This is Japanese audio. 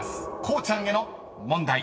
こうちゃんへの問題］